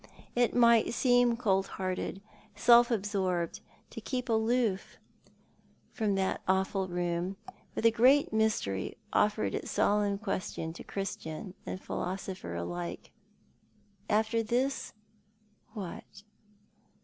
It might seem cold hearted, self absorbed, to keep aloof from tliat 156 Thou art the Man. awful room, where the great mystery offered its solemn question to Christian and philosopher alike. After this, what